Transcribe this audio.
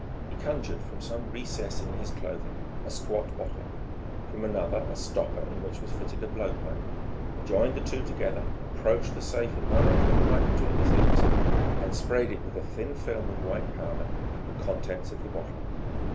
He conjured from some recess in his clothing a squat bottle, from another a stopper in which was fitted a blowpipe, joined the two together, approached the safe with one end of the pipe between his lips and sprayed it with a thin film of white powder, the contents of the bottle.